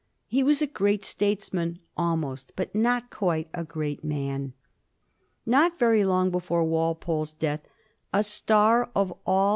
He was a great statesman ; almost, but not quite, a great man. Not very long before Walpole's death a star of all but 1744.